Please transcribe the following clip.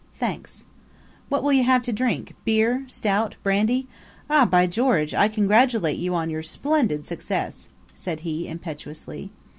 "Thanks." "What will you have to drink beer, stout, brandy? Eh, by George! I congratulate you on your splendid success," said he, impetuously.